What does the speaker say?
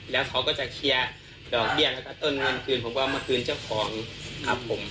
แล้วเขาก็จะเคลียร์ดอกเบี้ยแล้วก็ต้นเงินคืนผมก็เอามาคืนเจ้าของครับผม